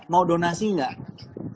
mau donasi nggak